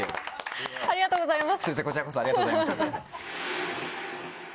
ありがとうございます。